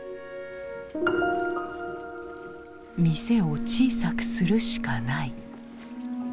「店を小さくするしかない」。